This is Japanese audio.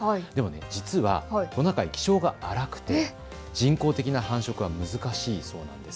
実はトナカイ、気性が荒くて人工的な繁殖は難しいそうなんです。